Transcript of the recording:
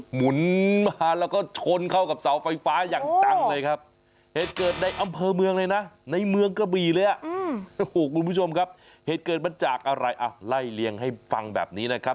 หมุนมาแล้วก็ชนเข้ากับเสาไฟฟ้าอย่างตั้งเลยครับเหตุเกิดในอำเภอเมืองเลยนะ